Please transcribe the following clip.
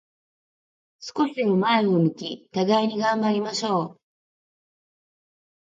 少しでも前を向き、互いに頑張りましょう。